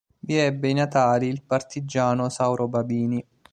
Vi ebbe i natali il partigiano Sauro Babini.